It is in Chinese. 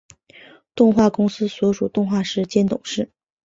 动画公司所属动画师兼董事。